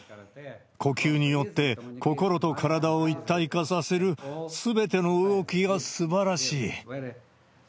呼吸によって心と体を一体化させる、すべての動きがすばらしい。